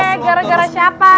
hei gara gara siapa